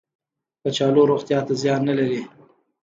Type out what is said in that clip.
کچالو روغتیا ته زیان نه لري